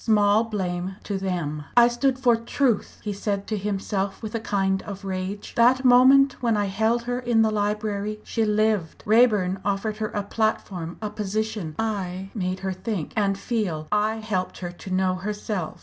Small blame to them! "I stood for truth!" he said to himself with a kind of rage "that moment when I held her in the library, she lived. Raeburn offered her a platform, a position; I made her think, and feel. I helped her to know herself.